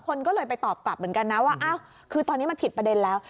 คนก็เลยไปตอบกลับเหมือนกันนะว่าอ้าวคือตอนนี้มันผิดประเด็นแล้ว